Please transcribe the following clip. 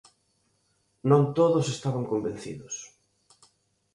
Non todos estaban convencidos.